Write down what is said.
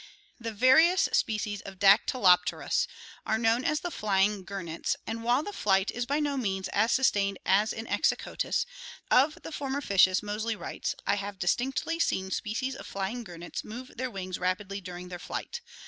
The various species of Dactylopterus (Fig. 8t) are known as the flying gurnets and while the flight is by no means as sustained as in Exocatus, of the former fishes Moseley writes: "I have distinctly seen.species of flying gurnets move their wings rapidly during their flight